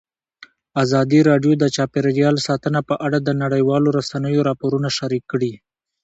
ازادي راډیو د چاپیریال ساتنه په اړه د نړیوالو رسنیو راپورونه شریک کړي.